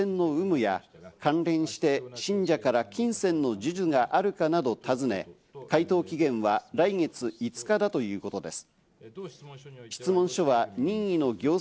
養子縁組のあっせんの有無や関連して、信者から金銭の授受があるかなどを尋ね、回答期限は来月５日だという事です。